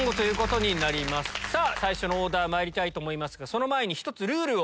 最初のオーダーまいりますがその前に１つルールを。